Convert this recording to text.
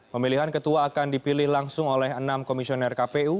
pemilihan ketua akan dipilih langsung oleh enam komisioner kpu